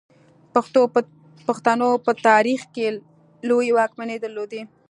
پښتنو په تاریخ کې لویې واکمنۍ درلودې